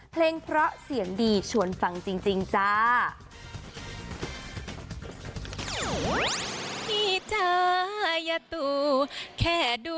เพลงเพราะเสียงดีชวนฟังจริงจ้า